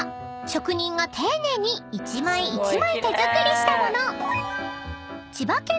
［職人が丁寧に一枚一枚手作りした物］